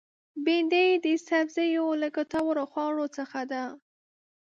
بېنډۍ د سبزیو له ګټورو خوړو څخه ده